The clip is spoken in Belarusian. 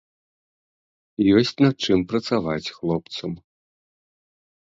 Ёсць над чым працаваць хлопцам.